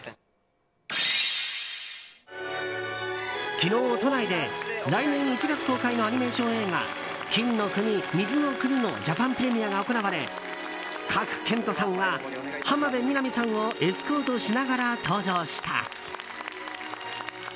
昨日都内で、来年１月公開のアニメーション映画「金の国水の国」のジャパンプレミアが行われ賀来賢人さんが浜辺美波さんをエスコートしながら登場した。